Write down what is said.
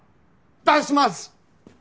出します！